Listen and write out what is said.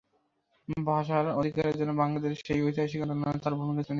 ভাষার অধিকারের জন্য বাঙালির সেই ঐতিহাসিক আন্দোলনে তাঁর ভূমিকা ছিল নেতৃস্থানীয়।